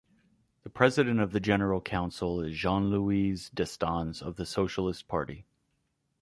The President of the General Council is Jean-Louis Destans of the Socialist Party.